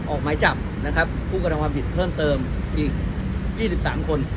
ออกหมายจับนะครับผู้กระทำความผิดเพิ่มเติมอีก๒๓คน